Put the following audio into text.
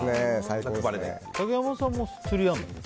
竹山さんも釣りやるの？